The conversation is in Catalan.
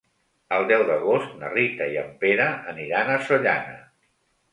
El deu d'agost na Rita i en Pere aniran a Sollana.